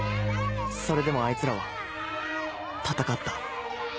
それでもあいつらは戦った。